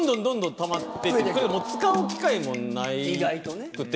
使う機会もなくて。